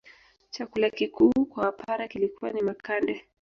Chakula kikuu kwa wapare kilikuwa ni makande